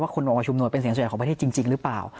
คนออกมาชุมนุมเป็นเสียงส่วนใหญ่ของประเทศจริงหรือเปล่า